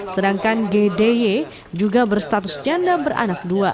sedangkan gd juga berstatus janda beranak dua